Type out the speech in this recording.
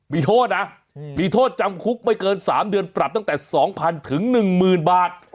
มีโทษนะมีโทษจำคุกไม่เกิน๓เดือนปรับตั้งแต่๒๐๐ถึง๑๐๐๐บาท